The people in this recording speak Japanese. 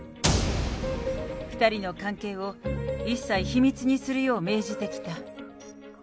２人の関係を一切秘密にするよう命じてきた。